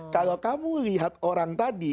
kalau kamu lihat orang tadi